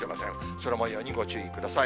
空もようにご注意ください。